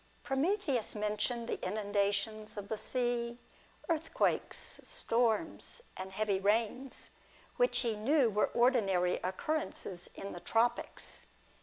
" Prometheus mentioned the inundations of the sea, earthquakes, storms, and heavy rains, which he knew were ordinary occurrences in the tropics.